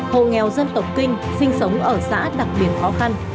hộ nghèo dân tộc kinh sinh sống ở xã đặc biệt khó khăn